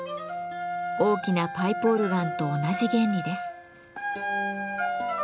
大きなパイプオルガンと同じ原理です。